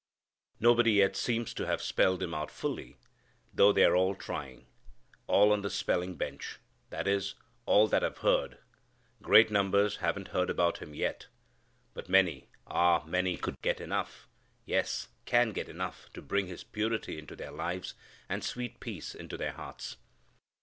Nobody yet seems to have spelled Him out fully, though they're all trying: All on the spelling bench. That is, all that have heard. Great numbers haven't heard about Him yet. But many, ah! many could get enough, yes, can get enough to bring His purity into their lives and sweet peace into their hearts.